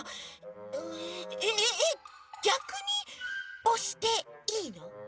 えっえっえっぎゃくにおしていいの？